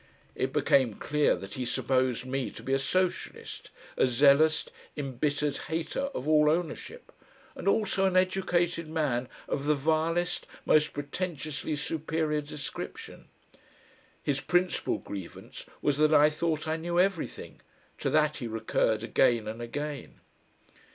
It became clear that he supposed me to be a Socialist, a zealous, embittered hater of all ownership and also an educated man of the vilest, most pretentiously superior description. His principal grievance was that I thought I knew everything; to that he recurred again and again....